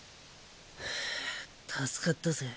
ハァ助かったぜ。